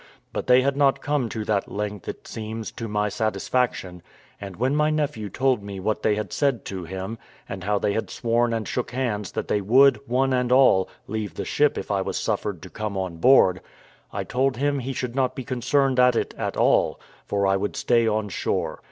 But they had not come to that length, it seems, to my satisfaction; and when my nephew told me what they had said to him, and how they had sworn and shook hands that they would, one and all, leave the ship if I was suffered to come on board, I told him he should not be concerned at it at all, for I would stay on shore.